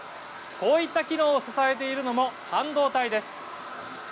こういった機能を支えているのも半導体です。